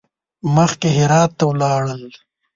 مخکې هرات ته ولاړل.